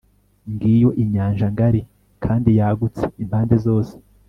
ngiyo inyanja ngari, kandi yagutse impande zose